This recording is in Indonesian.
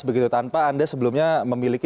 begitu tanpa anda sebelumnya memiliki